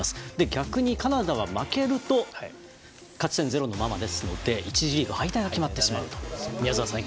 逆にカナダは負けると勝ち点０のままですので１次リーグ敗退が決まってしまうと。